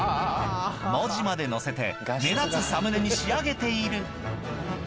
文字まで載せて目立つサムネに仕上げている！